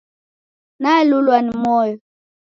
Nalulwa ni moyo.